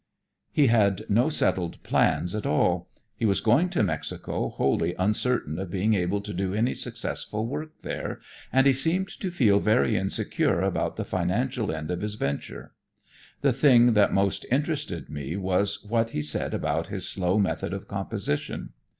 He had no settled plans at all. He was going to Mexico wholly uncertain of being able to do any successful work there, and he seemed to feel very insecure about the financial end of his venture. The thing that most interested me was what he said about his slow method of composition.